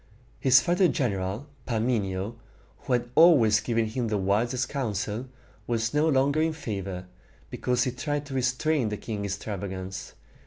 His father's general, Parmenio, who had always given him the wisest counsel, was no longer in favor, because he tried to restrain the king's extravagance.